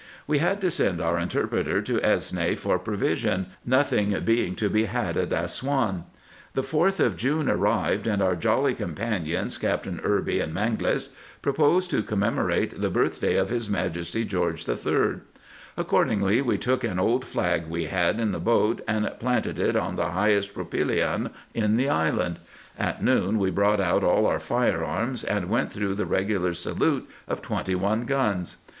We had to send our interpreter to Esne for provision, nothing being to be had at Assouan. The fourth of June arrived, and our jolly companions, Captains Irby and Mangles, proposed to commemorate the birth day of his Majesty George III. Accordingly we took an old flag we had in the boat, and planted it on the highest propylaeon in the island. At noon we brought out all our fire arms, and went through the regular salute of twenty one guns.